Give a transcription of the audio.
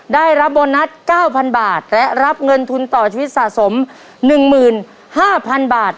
ได้รับโบนัส๙๐๐บาทและรับเงินทุนต่อชีวิตสะสม๑๕๐๐๐บาท